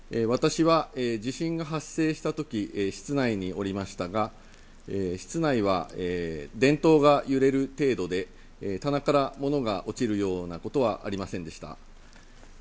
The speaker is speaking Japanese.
私は地震が発生したとき室内におりましたが室内は電灯が揺れる程度で棚から物が落ちるようなことはありませんでした。